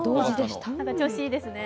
調子いいですね。